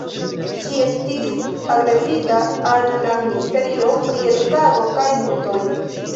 Ĝi estis adresita al la ministerio pri edukado kaj kultoj.